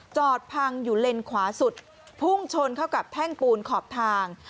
จอดพังอยู่เลนขวาสุดพุ่งชนเข้ากับแท่งปูนขอบทาง